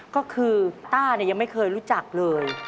ก็คือต้ายังไม่เคยรู้จักเลย